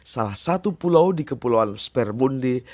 salah satu pulau di kepulauan sperbonde